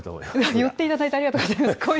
言っていただいてありがとうございます。